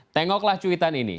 tengoklah cuitan ini